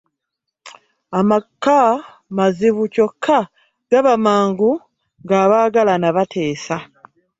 Amaka mazibu kyokka gaba mangu ng'abaagalana bateesa.